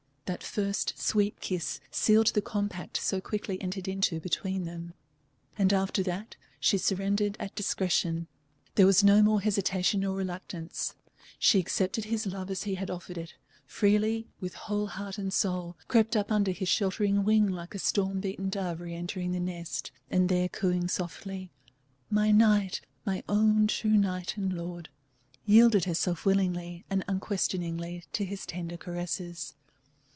That first sweet kiss sealed the compact so quickly entered into between them. And after that she surrendered at discretion. There was no more hesitation or reluctance; she accepted his love as he had offered it, freely, with whole heart and soul, crept up under his sheltering wing like a storm beaten dove reëntering the nest, and there, cooing softly, "My knight my own true knight and lord," yielded herself willingly and unquestioningly to his tender caresses.